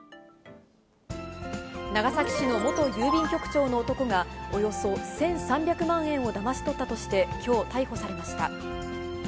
長崎市の元郵便局長の男が、およそ１３００万円をだまし取ったとして、きょう逮捕されました。